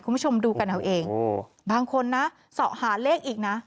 คุณผู้ชมดูกันเอาเองบางคนนะเสาะหาเลขอีกนะ